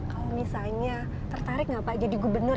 kalau misalnya tertarik nggak pak jadi gubernur